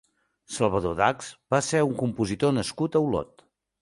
Salvador Dachs va ser un compositor nascut a Olot.